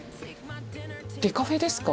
デカフェですか？